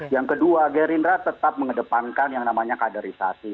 yang kedua gerindra tetap mengedepankan yang namanya kaderisasi